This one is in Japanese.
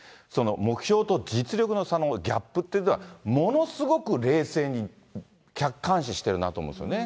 目標と実力の差のギャップっていうのは、ものすごく冷静に客観視してるなと思うんですよね。